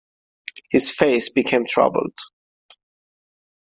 His face became troubled.